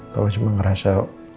kau cuma ngerasa